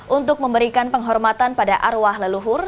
untuk memberikan penghormatan pada arwah leluhur